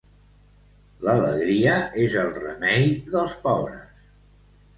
L'alegria és el remei dels pobres.